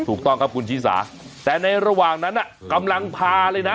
ถูกต้องครับคุณชิสาแต่ในระหว่างนั้นกำลังพาเลยนะ